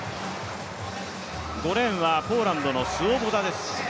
５レーンはポーランドのスウォボダです。